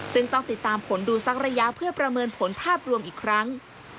ซึ่งต้องติดตามผลดูสักระยะเพื่อประเมินผลภาพรวมอีกครั้ง